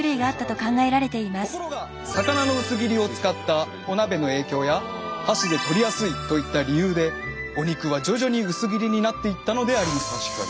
ところが魚の薄切りを使ったお鍋の影響や箸で取りやすいといった理由でお肉は徐々に薄切りになっていったのであります。